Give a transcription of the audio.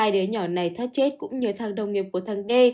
hai đứa nhỏ này thát chết cũng như thằng đồng nghiệp của thằng d